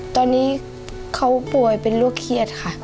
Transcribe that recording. ตอนนี้เขาป่วยเป็นโรคเครียดค่ะ